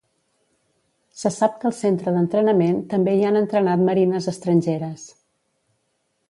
Se sap que al centre d'entrenament també hi han entrenat marines estrangeres.